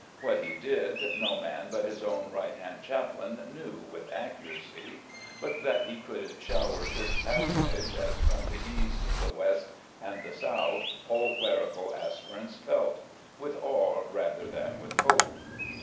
What he did, no man but his own right hand chaplain knew with accuracy; but that he could shower church patronage as from the east the west and the south, all clerical aspirants felt, with awe rather than with hope.